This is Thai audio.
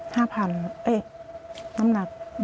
ห้าพัน